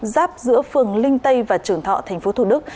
ráp giữa phường linh tây và trưởng thọ thành phố thủ đức